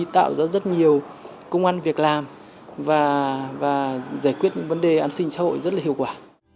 tạo ra rất nhiều công an việc làm và giải quyết những vấn đề an sinh xã hội rất là hiệu quả